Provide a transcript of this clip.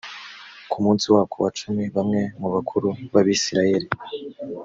ku munsi wako wa cumi bamwe mu bakuru b abisirayeli